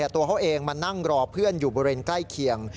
ตัวเขาเองมานั่งรอเพื่อนอยู่บริเวณใกล้เคียง